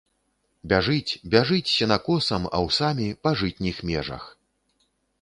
Бяжыць, бяжыць сенакосам, аўсамі, па жытніх межах.